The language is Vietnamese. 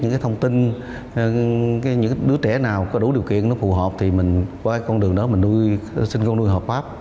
những cái thông tin những đứa trẻ nào có đủ điều kiện nó phù hợp thì mình qua con đường đó mình nuôi sinh con nuôi hợp pháp